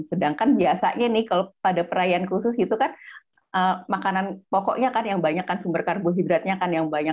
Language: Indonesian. sedangkan biasanya nih kalau pada perayaan khusus gitu kan makanan pokoknya kan yang banyak kan sumber karbohidratnya kan yang banyak